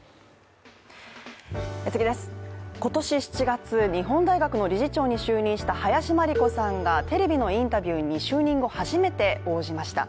今年７月、日本大学の理事長に就任した林真理子さんがテレビのインタビューに就任後初めて応じました。